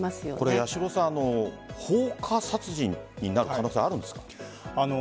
八代さん、放火殺人になる可能性はあるんですか？